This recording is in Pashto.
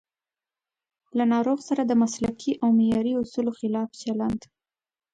له ناروغ سره د مسلکي او معیاري اصولو خلاف چلند